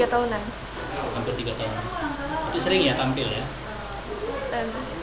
hampir tiga tahunan itu sering ya tampil ya